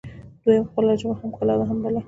دویم: خپله ژبه هم کلا ده هم بلا